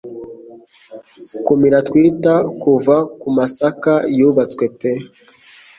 Kumira twitter kuva kumasaka yubatswe pe